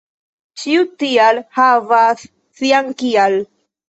Ĉiu "tial" havas sian "kial."